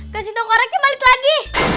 kesitu koreknya balik lagi